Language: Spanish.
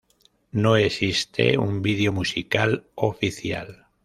No existe un vídeo musical oficial.